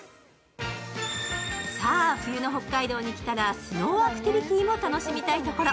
さあ、冬の北海道に来たらスノーアクティビティも楽しみたいところ。